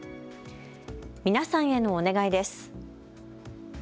皆さんへのお願いです。